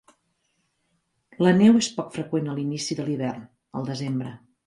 La neu és poc freqüent a l'inici de l'hivern, al desembre.